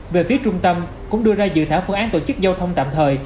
về phía trung tâm cũng đưa ra dự thảo phương án tổ chức giao thông tạm thời